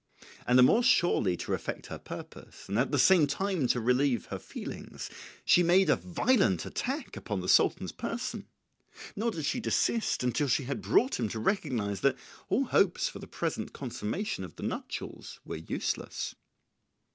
And the more surely to effect her purpose, and at the same time to relieve her feelings, she made a violent attack upon the Sultan's person; nor did she desist until she had brought him to recognize that all hopes for the present consummation of the nuptials were useless.